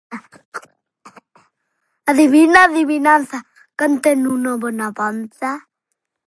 Adivina adivinanza quen ten un [unintelligible] na panza?